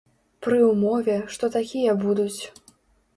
Пры ўмове, што такія будуць.